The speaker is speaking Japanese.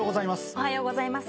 おはようございます。